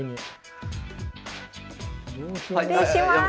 失礼します。